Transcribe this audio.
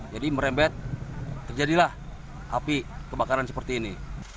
jadi merembet terjadilah api kebakaran seperti ini